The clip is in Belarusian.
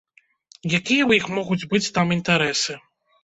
Якія ў іх могуць быць там інтарэсы?